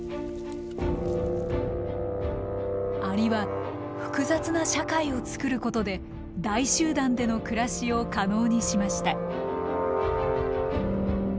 アリは複雑な社会を作ることで大集団での暮らしを可能にしました。